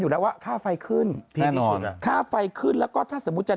อยู่แล้วว่าค่าไฟขึ้นแพงขึ้นอ่ะค่าไฟขึ้นแล้วก็ถ้าสมมุติจะ